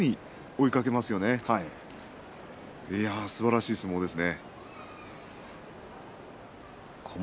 いやあ、すばらしい相撲ですね。